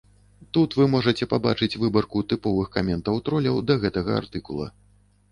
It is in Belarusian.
Тут вы можаце пабачыць выбарку тыповых каментаў троляў да гэтага артыкула.